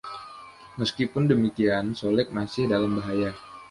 Meskipun demikian, Solek masih dalam bahaya.